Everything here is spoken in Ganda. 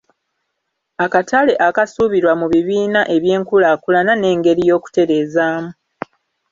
Akatale akasuubirwa mu bibiina ebyenkulaakulana n'engeri y’okutereezaamu.